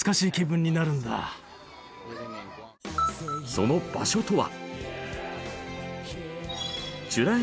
その場所とは。